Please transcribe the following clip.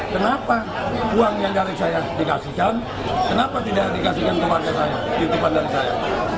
kenapa uang yang dari saya dikasihkan kenapa tidak dikasihkan kepada saya titipan dari saya